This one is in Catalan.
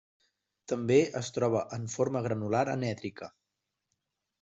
També es troba en forma granular anèdrica.